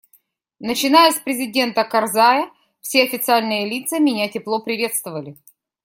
Начиная с президента Карзая, все официальные лица меня тепло приветствовали.